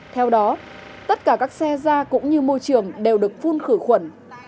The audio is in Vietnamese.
theo đó tất cả các xe ra cũng như môi trường đều được phun khử khuẩn